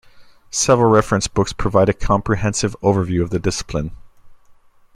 Several reference books provide a comprehensive overview of the discipline.